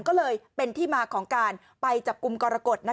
ก็เลยเป็นที่มาของการไปจับกลุ่มกรกฎ